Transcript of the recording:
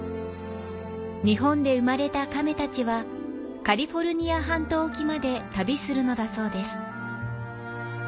日本で生まれたカメたちは、カリフォルニア半島沖まで旅するのだそうです。